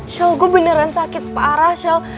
shell gue beneran sakit parah shell